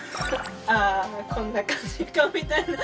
あこんな感じかみたいな。